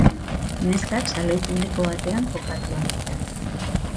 Neskak saloi publiko batean kokatuak dira.